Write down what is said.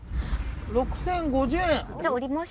６，０５０円。